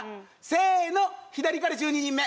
せの左から１２人目！